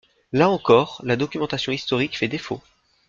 Là encore, la documentation historique fait défaut.